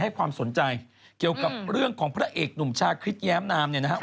ให้ความสนใจเกี่ยวกับเรื่องของพระเอกหนุ่มชาคริสแย้มนามเนี่ยนะครับ